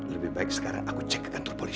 lebih baik sekarang aku cek ke kantor polisi